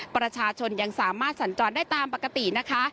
ประชาชนยังสามารถสัญจรได้ตามปกตินะคะ